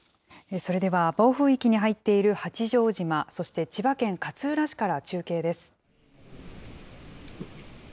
それでは暴風域に入っている八丈島、そして千葉県勝浦市から中継です。